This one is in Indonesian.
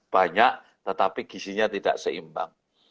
banyak tetapi gisinya tidak seimbang